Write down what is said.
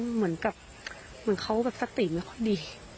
เหมือนเขาสติมแล้วพอดี